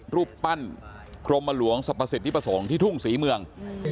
รูปปั้นกรมหลวงสรรพสิทธิประสงค์ที่ทุ่งศรีเมือง